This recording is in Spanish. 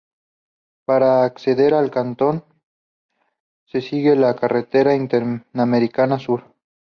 Para acceder al cantón, se sigue la Carretera Interamericana Sur.